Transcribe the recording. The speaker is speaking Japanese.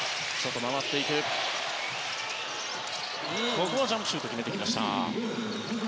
ここはジャンプシュート決めてきました。